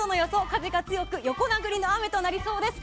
風が強く横殴りの雨となりそうです。